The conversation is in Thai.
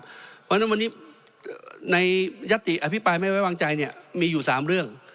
เพราะฉะนั้นวันนี้ในยติอภิปรายไม่ไว้วางใจเนี่ยมีอยู่๓เรื่อง